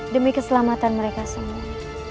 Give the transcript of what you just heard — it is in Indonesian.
demi keselamatan mereka semua